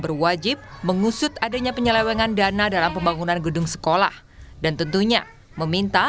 berwajib mengusut adanya penyelewengan dana dalam pembangunan gedung sekolah dan tentunya meminta